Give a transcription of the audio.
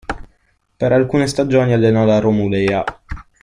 Per alcune stagioni allenò la Romulea.